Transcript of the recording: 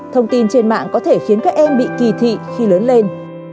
thông tin trên mạng có thể khiến các em bị kỳ thị khi lớn lên